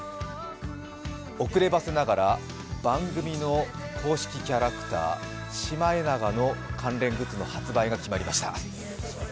遅ればせながら、番組の公式キャラクター・シマエナガの関連グッズの発売が決まりました。